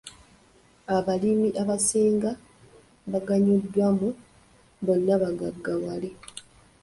Abalimi abasinga baganyuddwa mu bonnabagaggawale.